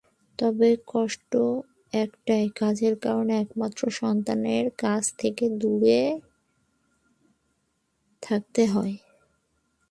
তবে কষ্ট একটাই, কাজের কারণে একমাত্র সন্তানের কাছ থেকে দূরে থাকতে হয়।